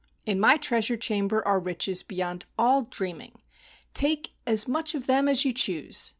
In my treasure chamber are riches be¬ yond all dreaming. Take as much of them as you choose.